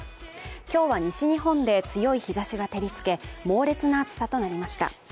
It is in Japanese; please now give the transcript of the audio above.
今日は西日本で強い日ざしが照りつけ猛烈な暑さとなりました。